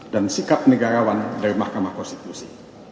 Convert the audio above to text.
dan sikap negarawan dari mahkamah konstitusi